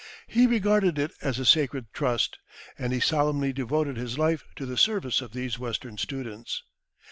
He regarded it as a sacred trust, and he solemnly devoted his life to the service of these Western students.